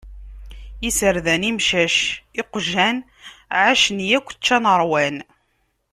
Iserdan, imcac, iqjan ; ɛacen yakk ččan ṛwan.